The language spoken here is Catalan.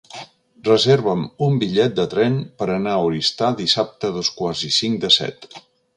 Reserva'm un bitllet de tren per anar a Oristà dissabte a dos quarts i cinc de set.